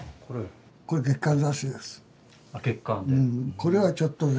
これはちょっとね